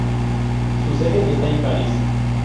Su sede está en París.